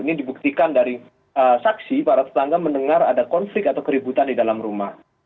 ini dibuktikan dari saksi para tetangga mendengar ada konflik atau keributan di dalam rumah